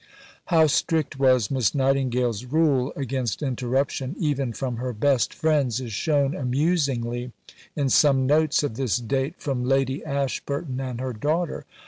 How strict was Miss Nightingale's rule against interruption, even from her best friends, is shown amusingly in some notes of this date from Lady Ashburton and her daughter.